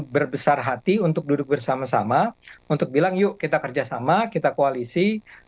berbesar hati untuk duduk bersama sama untuk bilang yuk kita kerjasama kita koalisi